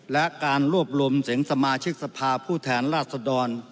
และการรวบรวมเสียงสมาชิกสภาผู้แทนราชดร